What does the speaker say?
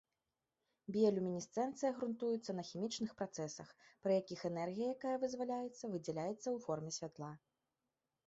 Біялюмінесцэнцыя грунтуецца на хімічных працэсах, пры якіх энергія, якая вызваляецца, выдзяляецца ў форме святла.